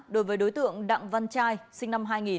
đối với đối tượng đặng văn trai sinh năm hai nghìn